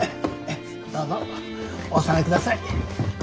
どうぞお納めください。